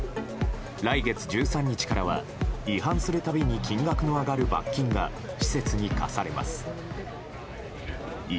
来月１３日からは違反する度に金額の上がる罰金が施設に科されます。